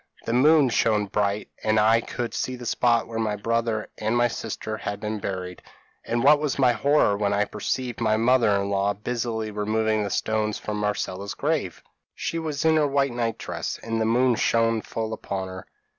The moon shone bright and I could see the spot where my brother and my sister had been buried; and what was my horror when I perceived my mother in law busily removing the stones from Marcella's grave! "She was in her white night dress and the moon shone full upon her.